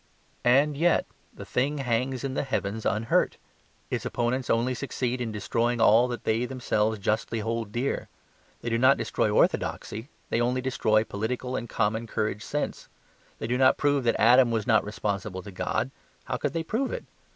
And yet the thing hangs in the heavens unhurt. Its opponents only succeed in destroying all that they themselves justly hold dear. They do not destroy orthodoxy; they only destroy political and common courage sense. They do not prove that Adam was not responsible to God; how could they prove it?